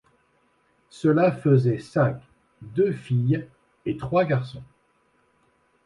Cela faisait cinq ; deux filles et trois garçons.